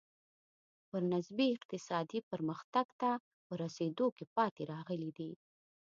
په نسبي اقتصادي پرمختګ ته په رسېدو کې پاتې راغلي دي.